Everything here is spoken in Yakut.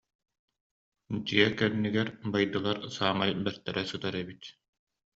Дьиэ кэннигэр байдылар саамай бэртэрэ сытар эбит